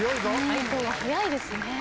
解答がはやいですね。